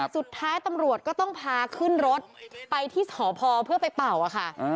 สุดท้ายตำรวจก็ต้องพาขึ้นรถไปที่สพเพื่อไปเป่าค่ะ